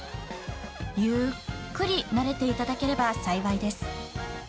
ゆっくり慣れていただければ幸いです。